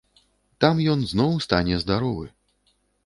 Там ён зноў стане здаровы!